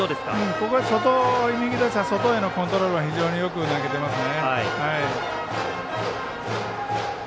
ここで右打者への外へのコントロールは非常によく投げてますね。